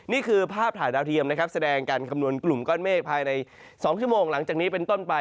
นี่คือภาพถ่ายดาวเทียมนะครับแสดงการคำนวณกลุ่มก้อนเมฆภายใน๒ชั่วโมงหลังจากนี้เป็นต้นไป